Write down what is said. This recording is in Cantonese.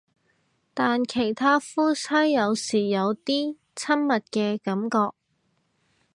但其他夫妻有時有啲親密嘅感覺